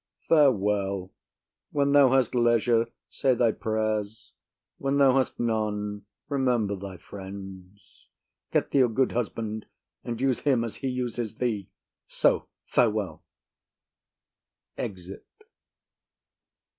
Farewell. When thou hast leisure, say thy prayers; when thou hast none, remember thy friends. Get thee a good husband, and use him as he uses thee. So, farewell. [_Exit.